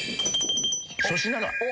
粗品だ。